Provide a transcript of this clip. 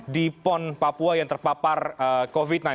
di pon papua yang terpapar covid sembilan belas